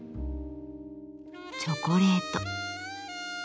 チョコレート。